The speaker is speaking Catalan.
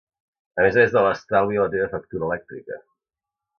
a més a més de l'estalvi a la teva factura elèctrica